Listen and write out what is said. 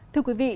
thưa quý vị